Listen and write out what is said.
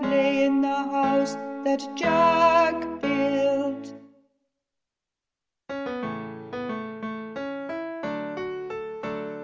lay in the house that Jack built.